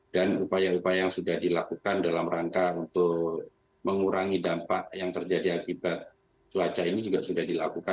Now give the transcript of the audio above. dan upaya upaya yang sudah dilakukan dalam rangka untuk mengurangi dampak yang terjadi akibat cuaca ini juga sudah dilakukan